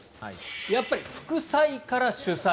やっぱり副菜から主菜。